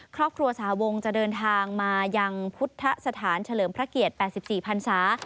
ครอบครัวสหวงจะเดินทางมายังพุทธสถานเฉลิมพระเกียรติ๘๔พันศา